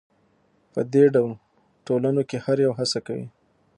په دې ډول ټولنو کې هر یو هڅه کوي